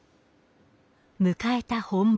迎えた本番。